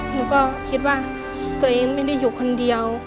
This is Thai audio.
หนูก็คิดว่าตัวเองไม่ได้อยู่คนเดียว